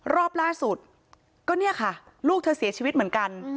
รอบล่าสุดก็เนี่ยค่ะลูกเธอเสียชีวิตเหมือนกัน